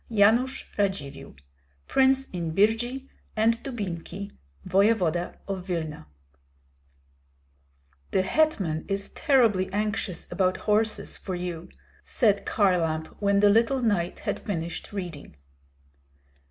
Yanush Radzivill, Prince in Birji and Dubinki, Voevoda of Vilna. "The hetman is terribly anxious about horses for you," said Kharlamp, when the little knight had finished reading.